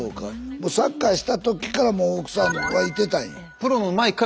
もうサッカーした時からもう奥さんはいてたんや。